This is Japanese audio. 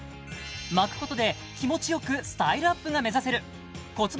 巻くことで気持ち良くスタイルアップが目指せる骨盤